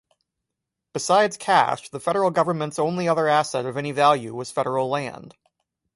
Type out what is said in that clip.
Besides cash, the federal government's only other asset of any value was federal land.